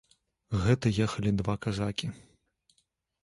Гэта ехалі два казакі.